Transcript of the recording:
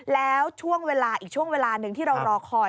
แล้วอีกช่วงเวลาหนึ่งที่เรารอคอย